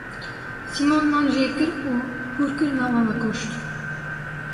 Sîmon nan jêkir û hûr kir nav ava goşt.